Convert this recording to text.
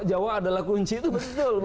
jawa adalah kunci itu betul